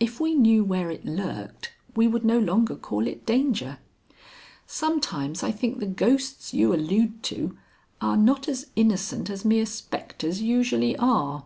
If we knew where it lurked, we would no longer call it danger. Sometimes I think the ghosts you allude to are not as innocent as mere spectres usually are.